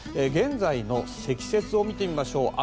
現在の積雪を見てみましょう。